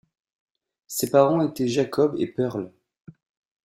Ses parents étaient Jacob et Pearl.